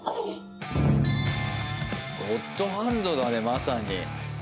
ゴッドハンドだね、まさに。